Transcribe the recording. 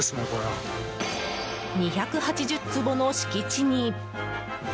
２８０坪の敷地に。